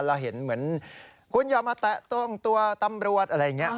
เราเห็นเหมือนคุณอย่ามาแตะต้องตัวตำรวจอะไรอย่างนี้